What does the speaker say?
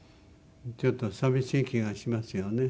ちょっと寂しい気がしますよね。